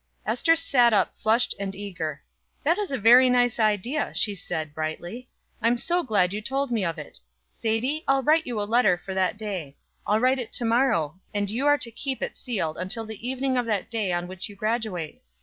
Ester sat up flushed and eager. "That is a very nice idea," she said, brightly. "I'm so glad you told me of it. Sadie, I'll write you a letter for that day. I'll write it to morrow, and you are to keep it sealed until the evening of that day on which you graduate.